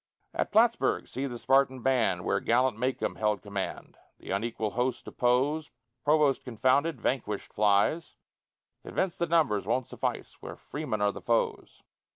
At Plattsburg, see the Spartan band, Where gallant Macomb held command, The unequal host oppose; Provost confounded, vanquished flies, Convinced that numbers won't suffice Where Freemen are the foes.